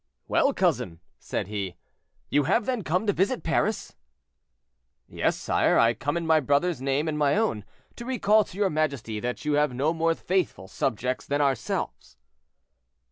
"Well, cousin," said he, "you have, then, come to visit Paris?" "Yes, sire; I come in my brother's name and my own, to recall to your majesty that you have no more faithful subjects than ourselves."